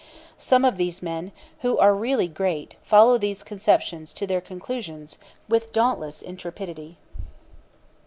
Some of these men, who are really great, follow these conceptions to their conclusions with dauntless intrepidity."